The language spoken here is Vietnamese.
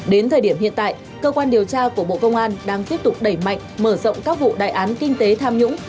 đến thời điểm hiện tại cơ quan điều tra của bộ công an đang tiếp tục đẩy mạnh mở rộng các vụ đại án kinh tế tham nhũng